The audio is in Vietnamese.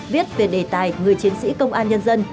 viết về đề tài người chiến sĩ công an nhân dân